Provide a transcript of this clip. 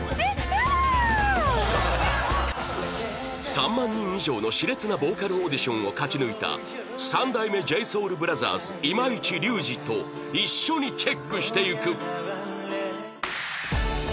３万人以上の熾烈なボーカルオーディションを勝ち抜いた三代目 ＪＳＯＵＬＢＲＯＴＨＥＲＳ 今市隆二と一緒にチェックしていく